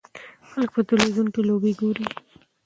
خلک په تلویزیون کې لوبې ګوري.